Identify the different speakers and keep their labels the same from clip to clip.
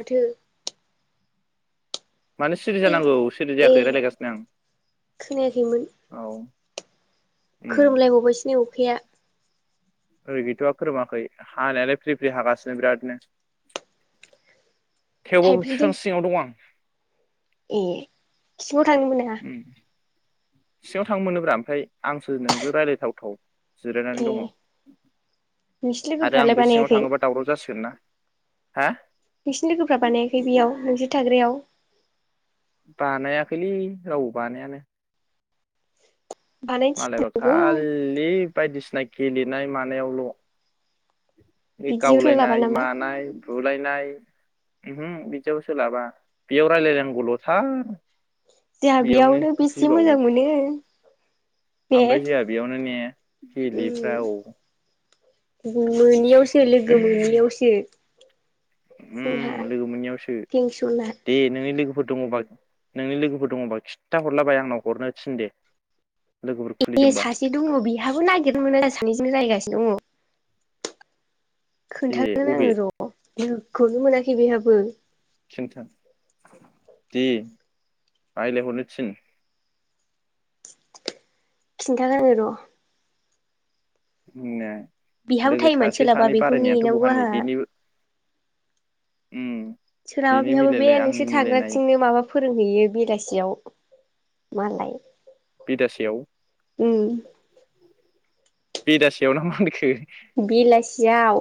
Speaker 1: माथो
Speaker 2: माने सिरि
Speaker 1: ए
Speaker 2: जानांगौ सिरि
Speaker 1: ए
Speaker 2: जायाखै रायलायगासिनो
Speaker 1: खोनायाखैमोन
Speaker 2: आं औ। उम
Speaker 1: खोरोमलायबावबायसो नै अखाया।
Speaker 2: ओरै गैथआ खोरोमाखै हानायालाय फ्रि फ्रि हागासिनो बिरादनो। थेवबाबो
Speaker 1: थाइफ्रिदों
Speaker 2: बिफां सिङाव दं आं।
Speaker 1: ए सिङाव थांनो मोना।
Speaker 2: उम सिङाव थांनो मोनोब्रा ओमफ्राय आंसो नोंजों रायज्लायथावथाव जिरायनानै
Speaker 1: ए
Speaker 2: दङ'
Speaker 1: नोंसिनि
Speaker 2: आरो
Speaker 1: लोगोफ्रालाय
Speaker 2: आं बे सिङाव
Speaker 1: बानायाखै
Speaker 2: थाङोबा दावराव जासिगोनना? हा
Speaker 1: नोंसिनि लोगोफ्रा बानायाखै बेयाव नोंजो थाग्रायाव।
Speaker 2: बानायाखैलै रावबो बानायानो।
Speaker 1: बानायनो
Speaker 2: मालायबा
Speaker 1: थिननांगौ
Speaker 2: खालि बायदिसिना गेलेनाय मानायावल। बे
Speaker 1: बिदि सोलाबा
Speaker 2: गावलायनाय
Speaker 1: नामा
Speaker 2: मानाय बुद लायनाय उमहो बिदियाव सोलाबा बेयाव रायलायनांगौलथार।
Speaker 1: जोहा बेयावनो बेसे मोजां मोनो। ने
Speaker 2: ओमबाय जोंहा बेयावनो ने गेलिफ्रा
Speaker 1: उम
Speaker 2: औ।
Speaker 1: मोनियावसो लोगो मोनियावसो। जोंहा
Speaker 2: उम लोगो मोनैयावसो
Speaker 1: टेनसना
Speaker 2: दे नोङो लोगो लोगोफोर दङबा नोंनि लोगोफोर दङबा खिथा हरला बाय आंनाव हरनो थिन दे। लोगोफोर
Speaker 1: ए
Speaker 2: खुलिदोंबा
Speaker 1: सासे दङ बिहाबो नागिरना मोना सानैजोंनो जागायगासिनो दङ।
Speaker 2: ए
Speaker 1: खोन्थागोन
Speaker 2: अबे
Speaker 1: आङो र [unintelligible] मोनाखै बेहाब बो
Speaker 2: खिन्था दे रायलायहरनो थिन।
Speaker 1: खिन्था [unintelligible] र
Speaker 2: [unintelligible]
Speaker 1: बिहाबो
Speaker 2: लोगो
Speaker 1: टाइमआ
Speaker 2: सासे
Speaker 1: सोलाबा
Speaker 2: सानै
Speaker 1: बेखौ
Speaker 2: बारायनायानोथ'
Speaker 1: नेेनांगौ
Speaker 2: बहानि
Speaker 1: आहा।
Speaker 2: बेनि उम
Speaker 1: सोरहाबा
Speaker 2: बेनि
Speaker 1: बेहाबो बे
Speaker 2: मिलायलाय
Speaker 1: नोंसोर
Speaker 2: आंनि मिलायनाय
Speaker 1: थाग्राथिंनो माबा फोरोंहैयो बेलासियाव। मालाय।
Speaker 2: बिदासेयाव
Speaker 1: उम
Speaker 2: बेदासेयाव ना मा होनखो?
Speaker 1: बेलासियाव।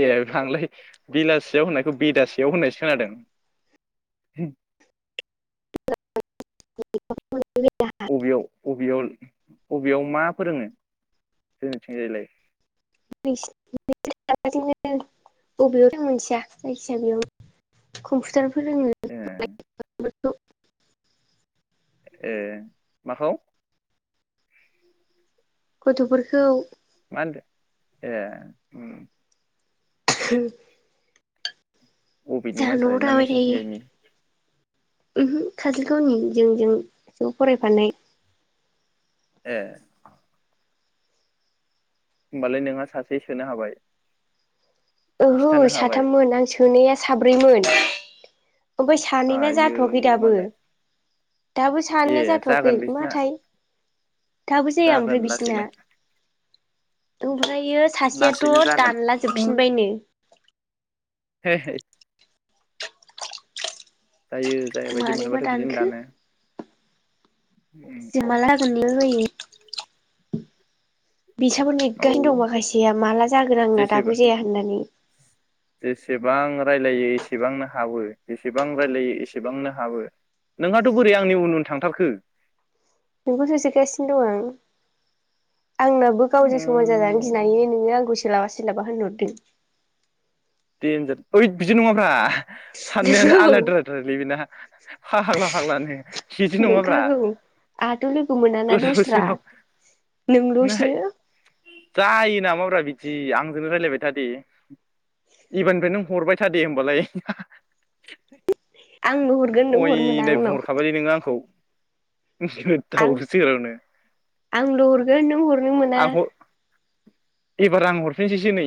Speaker 2: ए आंलाय बेलासियाव होननायखौ बेदासेयाव होननायसो खोनादों।
Speaker 1: [unintelligible]
Speaker 2: अबेयाव? बबेयाव बबेयाव मा फोरोङो जोंनिथिंजायलाय
Speaker 1: [unintelligible] बबेयाव दं मोनथिया जायखिजाया बेयाव कम्पुटार
Speaker 2: ए
Speaker 1: औ।
Speaker 2: ए माखौ।
Speaker 1: गथफोरखौ
Speaker 2: माहोनदों ए।
Speaker 1: ओहो
Speaker 2: अबेनि मानसियालाय ना नोंसिनिथिंजायनि
Speaker 1: ओमहो काजलगावनि जोंजों ज फरायफानाय।
Speaker 2: ए होमबालाय नोंहा सासे सोनो हाबाय
Speaker 1: ओहो
Speaker 2: खिथानो हाबाय
Speaker 1: साथाममोन आं सोनाया साब्रैमोन। ओमफ्राय सानै ना
Speaker 2: आयौ
Speaker 1: जाथवाखै दाबो।
Speaker 2: मालाय
Speaker 1: दाबो
Speaker 2: ए
Speaker 1: साननो जाथवाखै
Speaker 2: जागोन बिसिना
Speaker 1: माथाय। दाबो जाया
Speaker 2: जागोन
Speaker 1: ओमफ्राय बिसिना
Speaker 2: लासैनो
Speaker 1: ओमफ्रायो सासेयाथ
Speaker 2: लासैनो जागोन
Speaker 1: दानला जोबफिन [unintelligible]
Speaker 2: हे है जायो जाया बायदि
Speaker 1: मानोबा
Speaker 2: मोनोब्लाथाय बिदिनो
Speaker 1: दानखो
Speaker 2: दानो। उम,
Speaker 1: [unintelligible] [unintelligible] बिसाबो
Speaker 2: औ
Speaker 1: नेगासिनो दं माखासेया माला जागोन आंना
Speaker 2: जेसेबां
Speaker 1: दाबो जाया होननानै।
Speaker 2: जेसेबां रायलायो एसेबांनो हाबो जेसेबां रायलायो एसेबांनो हाबो नोंहाथ बोरै आंनि उन उन थांथारखो?
Speaker 1: नोंखौसो होसोगासिनो दं आं आंनाबो गावजों समान जानानो
Speaker 2: उम
Speaker 1: गिनानैनो नोङो आंखौ सो ला सोलाबा होनहरदो
Speaker 2: देन्जार ओयत बिदि नङाब्रा साननायानो
Speaker 1: नंगौ
Speaker 2: आलाद्रा द्रायलै बेना फाग्ला फाग्लानो बिदि नङाब्रा
Speaker 1: नंखागौ आंहाथ' लोगो मोनाना
Speaker 2: गोदाव
Speaker 1: दस्रा
Speaker 2: सोराव
Speaker 1: नोंल'सो
Speaker 2: नाय जायो नामा बिदि आंजोंनो रायलायबाय थादे एबारनिफ्राय नों हरबाय थादे होमबालाय
Speaker 1: आंल' हरगोन नों
Speaker 2: अय
Speaker 1: हरनो मोना
Speaker 2: नाय
Speaker 1: आंनाव
Speaker 2: बुंहरखाबायलै नोङो आंखौ
Speaker 1: आं
Speaker 2: गोदाव सोरावनो
Speaker 1: आंल हरगोन नों हरनो मोना।
Speaker 2: आं हर एबार आं हरफिनसैसो नै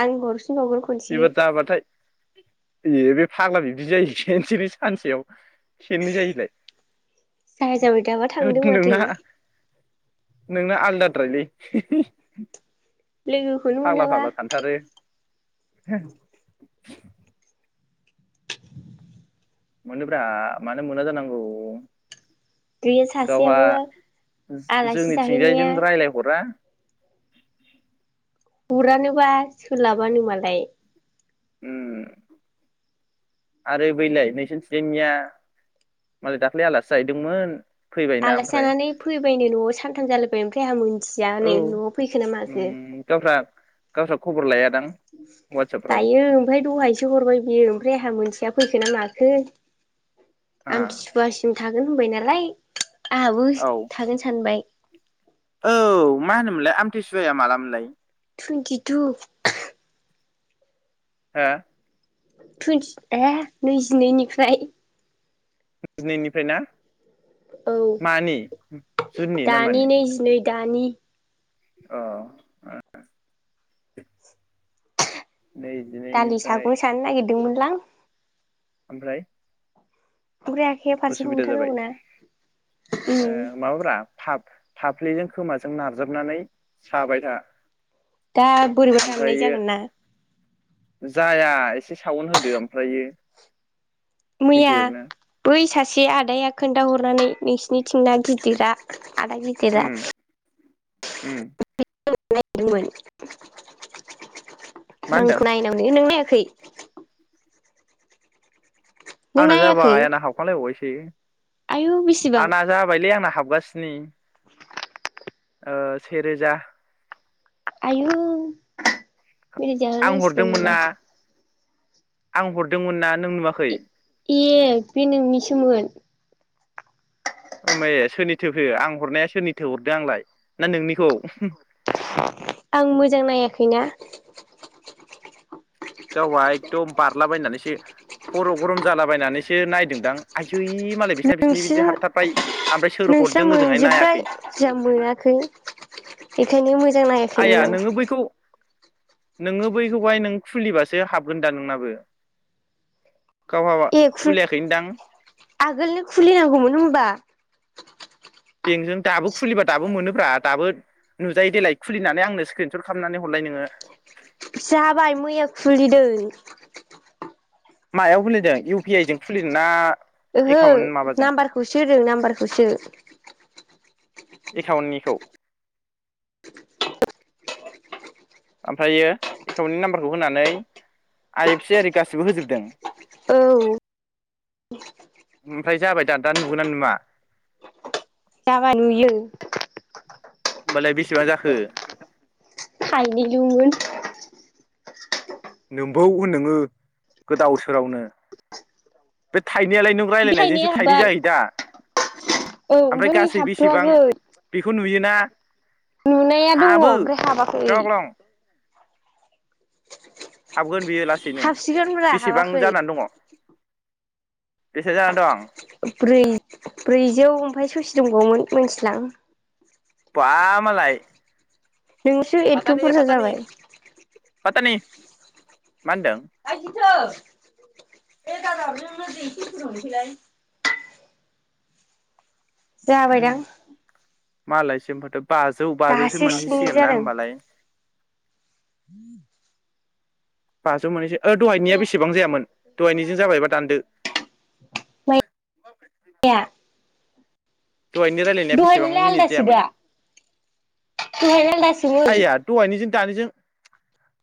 Speaker 1: आंगुर [unintelligible] खनसे
Speaker 2: एबार जाबाथाय ए बे फाग्ला बिब्दि जायो खेनसेनो सानसेयाव।
Speaker 1: जाया
Speaker 2: [unintelligible]
Speaker 1: जाबाय दाबा
Speaker 2: होद
Speaker 1: थांदों माथो
Speaker 2: नोंना नोंना आलदाद्रायलै
Speaker 1: लोगोखौनो
Speaker 2: फाग्ला
Speaker 1: मोनाबा।
Speaker 2: फाग्ला सानथारो [unintelligible] मोनोब्रा मानो मोना जानांगौ
Speaker 1: गैया
Speaker 2: गावहा
Speaker 1: सासेयाबो आलासि जाहैनाया
Speaker 2: जोंनिथिंजायजों रायज्लायहरा
Speaker 1: गुरानोबा सोलाबानो मालाय
Speaker 2: उम आरो बैलाय नोंसोर थिंजायनिया मालाय दाख्लै आलासि जाहैदोंमोन। फैबायना
Speaker 1: आलासि
Speaker 2: ओमफ्राय
Speaker 1: जानानै फैबायनो नआव सानथाम जालायबाय ओमफ्राय आं मोन
Speaker 2: औ उम गावसा गावसा खबर लाया
Speaker 1: लायो ओमफ्राय दहायसो हरबाय बियो ओमफ्राय आंहा मोनथिया फैखोना माखो
Speaker 2: आ
Speaker 1: आमथिसुवासिम था नों होनबाय नालाय आंहाबो
Speaker 2: औ
Speaker 1: थागोन सानबाय।
Speaker 2: औ मा होनोमोनलाय आमथिसुवाया माला मोनलाय?
Speaker 1: टुइन्टिटु
Speaker 2: हो
Speaker 1: टुइन्टि ए नैजिनैनिफ्राय
Speaker 2: दिनैनिफ्राय ना
Speaker 1: औ
Speaker 2: मानि जुननि ना
Speaker 1: दानि
Speaker 2: मानि?
Speaker 1: नैजिनै दानि
Speaker 2: अ [unintelligible] नै
Speaker 1: दलि
Speaker 2: जिनैनिफ्राय
Speaker 1: सागं सानो नागिरदों [unintelligible]
Speaker 2: ओमफ्राय
Speaker 1: आखाइया फारसे
Speaker 2: उसुबिदा जाबाय
Speaker 1: हमथानांगौना उम
Speaker 2: ओ माबाफ्रा फाब फाफ्लिजों खोमाजों नारजाबनानै साबाय था।
Speaker 1: दा बोरैबा दाननाय
Speaker 2: ओमफ्रायो
Speaker 1: जागोन ना?
Speaker 2: जाया एसे साावन होदो ओमफ्रायो
Speaker 1: मैया
Speaker 2: गिदिरनो
Speaker 1: बै सा एसे आदाया खोन्थाहरनानै नोंसिनिथिं ना गिदिरा आदा गिदिरा [unintelligible]
Speaker 2: उम उम
Speaker 1: [unintelligible]
Speaker 2: मा होनदों
Speaker 1: रांखौ नायनांगौ नों नाया खै नों
Speaker 2: आंना
Speaker 1: नायाखै
Speaker 2: जाबाय आंना हाबखांलायबावबायसो बेयो
Speaker 1: आयु बेसेबां
Speaker 2: आना जाबायलै आंना हाबगासिनो। ओ सेे रोजा
Speaker 1: आयु मिदाय
Speaker 2: आं
Speaker 1: जाहोनांसिगोन
Speaker 2: हरदोंमोन
Speaker 1: होनबा
Speaker 2: ना आं हरदोंमोन ना नों नुवाखै
Speaker 1: ए ए बे नोंनिसोमोन
Speaker 2: ओमबा ए सोरनिथो फे आं हरनाया सोरनिथो हरदो आंलाय ना नोंनिखौ [unintelligible]
Speaker 1: आं मोजां नायाखैना
Speaker 2: गावहा एकदम बारलाबायनानैसो खर' गरम जालाबायनानैसो नायदोंदां आययै मालाय बेस
Speaker 1: नोंसोरो नोंस्रा
Speaker 2: हरदों ओजोंहाय
Speaker 1: मोनजोब्बाय
Speaker 2: नायाखै
Speaker 1: जा मोनाखै बेखायनो मोज मोजां
Speaker 2: आइया
Speaker 1: नायाखैमोन आं
Speaker 2: नोङो बैखौ नोङो बैखौहाय नों खुलिबासो हाबगोन दा नोंनाबो। गावहाबा
Speaker 1: ए खु
Speaker 2: खुलियाखै ओनदां
Speaker 1: आगोलनो खुलिनांगौमोन होमबा
Speaker 2: बेंकजों दाबो खुलिब्ला दाबो मोनोब्रा दाबो नुजायो देलाय खुलिनानै आंनो स्क्रिनसट खालामनानै हरलाय नोङो।
Speaker 1: जाबाय मैया खुलिदों
Speaker 2: मायाव खुलिदों इउ पि आइ जों खुलिदों ना
Speaker 1: ओहो
Speaker 2: एकाउन्ट माबाजों
Speaker 1: नाम्बारखौसो होदों नाम्बारखौसो
Speaker 2: एकाउन्टनिखौ ओमफायो एकाउन्टनि नाम्बारखौ होनानै आइ एफ सि आरि गासिबो होजोबदों
Speaker 1: औ
Speaker 2: ओमफाय जाबाय दा दा नुगोना नुवा
Speaker 1: जाबाय नुयो
Speaker 2: होमबालाय बेसेबां जाखो?
Speaker 1: थायनैलुमोन
Speaker 2: नोमबौ होन नोङो गोदाव सोरावनो बे थाइनैयालाय नों
Speaker 1: बे थाइनैया
Speaker 2: रायलायनायजोंसो थाइनै
Speaker 1: हाब्बाय
Speaker 2: जायो दा।
Speaker 1: औ ओमफाय बै हाबथ'वाखै
Speaker 2: ना
Speaker 1: नुनाया दङ ओमफ्राय हाबाखै
Speaker 2: जग्लं हाबगोन दे लासैनो
Speaker 1: हाबसिगोनब्रा
Speaker 2: बेसेबां
Speaker 1: हाबाखै
Speaker 2: जानानै दङ? बेसे जाना दं?
Speaker 1: ब्रै ब्रैजौ ओमफाय ससे दंबावमोन मोनथिलां
Speaker 2: बा मालाय
Speaker 1: नोंसो एथ'
Speaker 2: पातानि
Speaker 1: बुरजा
Speaker 2: पातानि
Speaker 1: जाबाय।
Speaker 2: पातानि मा होनदों?
Speaker 1: [unintelligible] जाबाय दां
Speaker 2: मालायसिम फाथोब बाजौ बाजौसो
Speaker 1: स्नि
Speaker 2: मोनहैसिगोन ना
Speaker 1: जादों
Speaker 2: होमबालाय
Speaker 1: [inaudible]
Speaker 2: बाजौ मोनिसे ओ दहायनिया बेसेबां जायामोन दहायनिजों जाबायबा दानदो।
Speaker 1: माइया
Speaker 2: दहायनि रायलायनाया बेसेबां
Speaker 1: दहायनिलाय
Speaker 2: मिनिट
Speaker 1: आलदासो
Speaker 2: जायामोन
Speaker 1: दा [unintelligible]
Speaker 2: आइया दहायनिजों दानिजों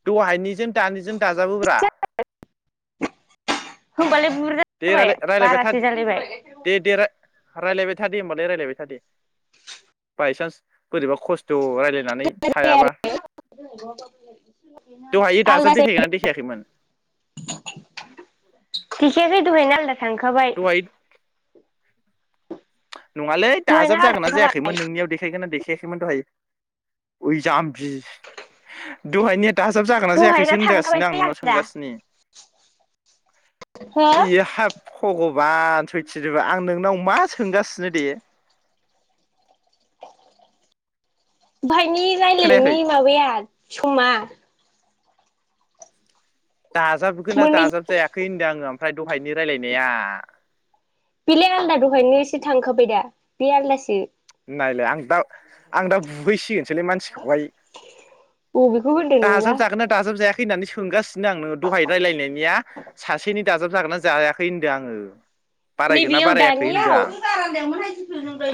Speaker 2: दहायनिजों दानिजों दाजाबोब्रा
Speaker 1: होमबालाय बुरजा
Speaker 2: दे
Speaker 1: जाबाय
Speaker 2: रायलाय रायलायबाय था
Speaker 1: बारासो
Speaker 2: दे
Speaker 1: जालायबाय
Speaker 2: दे दे राय- रायलायबाय था दे होबालाय रायलायबाय था दे बायसानस बोरैबा खस्थ रायलाय
Speaker 1: [unintelligible] दहायना
Speaker 2: दहायो दाजाब देखायगोना देखायाखैमोन
Speaker 1: आलदा थांखाबाय
Speaker 2: दहाय नङालै दाजाब
Speaker 1: दहायनो आलदा
Speaker 2: जागोन ना
Speaker 1: थांखाबाय
Speaker 2: जायाखैमोन नोंनियाव देखायगोन ना देखायाखैमोन दहाय। ओइ जामबि दहायनिया दाजाब जागोन ना जायाखैसो
Speaker 1: दहायना
Speaker 2: होनगासिनो आं
Speaker 1: थांखाबाय
Speaker 2: नोंनाव
Speaker 1: आलदा
Speaker 2: सोंगासिनो
Speaker 1: हो
Speaker 2: बेयो हाब [unintelligible] बा सयथिनोबो आं नोंनाव मा सोंगासि [unintelligible]
Speaker 1: फायनि
Speaker 2: खोनायाखै
Speaker 1: रायजायनायनि माबाया समा?
Speaker 2: दाजाबगोना
Speaker 1: मोननै
Speaker 2: दाजाब जायाखै होन्दों आङो ओमफ्राय दहायनि रायलायनाया।
Speaker 1: बे थांखाबायदा बे आलदासो।
Speaker 2: नायलाय आं दा आं दा बुुबैसिगोन सोलै मानसिखौहाय
Speaker 1: बबेखौ होनदों नोंबा
Speaker 2: दाजाब जागोन दाजाब जाया? फैनानै सोंगास नांनो दहाय रायलायनायनिया सासेनि दाजाब जागोनना जायाखै होनदों आङो। बारायगोन ना
Speaker 1: नैबेयाव
Speaker 2: बारायाखै
Speaker 1: दानियाव?
Speaker 2: होनदों आं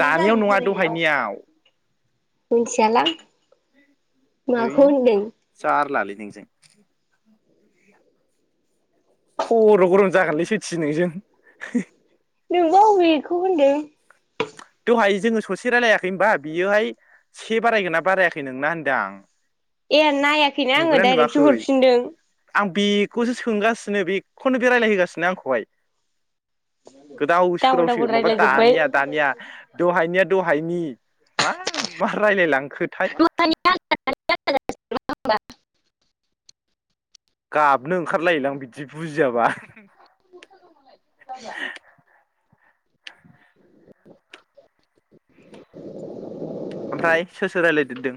Speaker 2: दानियाव नङा दहायनियाव
Speaker 1: मिन्थियालां।
Speaker 2: है जारलालै नोंजों। खर' गरम जागोनलै थोस नोंजों।
Speaker 1: नोंबा अबेखौ होनदों।
Speaker 2: दहाय जोङो ससे रायलायाखै होमबा बियोहाय से बारायगोना बारायाखै नोंना होनदां।
Speaker 1: ए आन नायाखैना आङो
Speaker 2: नुगोना
Speaker 1: डाइरेक्सो
Speaker 2: नुवाखै
Speaker 1: हरफिनदों।
Speaker 2: आं बेखौसो सोंगासिनो बेखौनो बेरायलायहोगासिनो आंखौहाय। गोदाव
Speaker 1: डाबल
Speaker 2: सोरावसो
Speaker 1: डाबल
Speaker 2: माबा
Speaker 1: रायलायजोब्बाय
Speaker 2: दानिया दानिया दहायनिया दहायनि मा मा रायलाय लां
Speaker 1: [unintelligible]
Speaker 2: गाब गाबनो ओंखारलायोलां बिदि बुजियाबा
Speaker 1: [inaudible]
Speaker 2: ओमफ्राय सोर सोर रायलायदेरदों?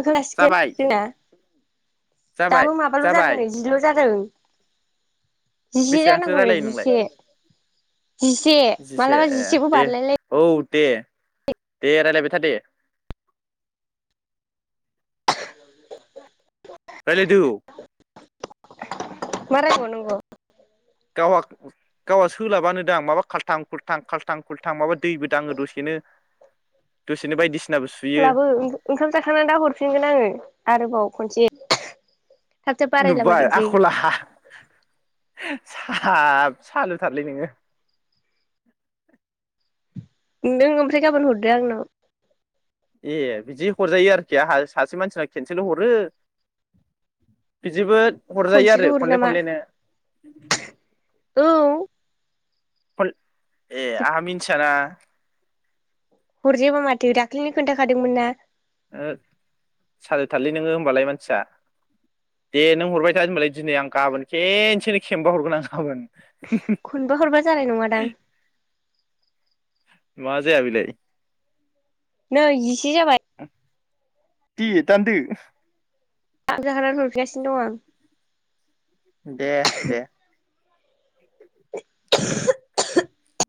Speaker 1: इखौ लासिगोन
Speaker 2: जाबाय
Speaker 1: जोंना
Speaker 2: जाबाय
Speaker 1: दाबो माबाल'
Speaker 2: जाबाय
Speaker 1: जादों नै जिल' जादों। [inaudible] जिसे
Speaker 2: बेसेबांथो
Speaker 1: जानांगौ
Speaker 2: रायलायो नोंलाय
Speaker 1: जिसे जिसे
Speaker 2: जिसे
Speaker 1: मालाबा
Speaker 2: ए
Speaker 1: जिसेबो
Speaker 2: दे
Speaker 1: बारलायलाय
Speaker 2: औ दे दे रायलायबाय था दे। रायलायद।
Speaker 1: [unintelligible]
Speaker 2: गावहा गावहा सोलाबानो दां माबा खालथा खुलथां खालथां खुलथां माबा दैबो दाङो दसेनो दसेनो बायदिसिना
Speaker 1: सिदलाबो ओंखाम जाखांनानै दाहरफिनगोन आङो आरोबाव खनसे थाब थाब
Speaker 2: नुबाय
Speaker 1: बारायलाबायदोंसै
Speaker 2: आखला साब सालुथारलै नोङो।
Speaker 1: नों ओमफ्राय गाबोन हरदो आंनाव
Speaker 2: ए बिदि हरजायो आरोखि आंहा सासे मानसिनाव केनसेल हरो बिदिबो हरजायो
Speaker 1: खनसेल'
Speaker 2: आरो
Speaker 1: हरो
Speaker 2: खनले
Speaker 1: नामा
Speaker 2: खनलेनो। [inaudible]
Speaker 1: औ
Speaker 2: खल ए आंहा मिन्थियाना।
Speaker 1: हरजोबा माथो दाख्लैनो खोन्थाखादोंमोन ना?
Speaker 2: ओ सालुथारलै नोङो होमबालाय मानसिया दे नों हरबाय था होनबालाय दिनै आं गाबोन खनसेनो खेमबा हरगोन आं गाबोन
Speaker 1: खनबो हरबा जानाय नङादां
Speaker 2: मा जाया बेलाय।
Speaker 1: नै जि जि जाबाय।
Speaker 2: दे दानदो।
Speaker 1: ओंखाम जाखांनानै हरफिनगासिनो दं आं
Speaker 2: दे दे
Speaker 1: [unintelligible]